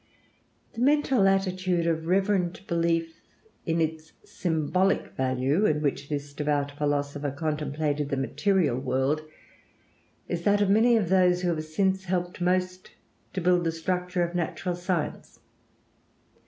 The mental attitude of reverent belief in its symbolic value, in which this devout philosopher contemplated the material world, is that of many of those who have since helped most to build the structure of Natural Science.